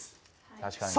確かにね。